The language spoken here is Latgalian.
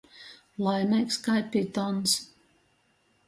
Laimeigs kai pitons.